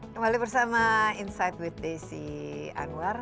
kembali bersama insight with desi anwar